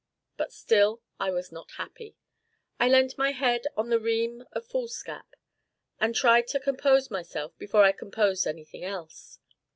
But still I was not happy. I leant my head on the ream of foolscap, and tried to compose myself before I composed anything else.